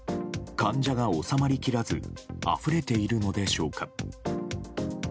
患者が収まり切らずあふれているのでしょうか。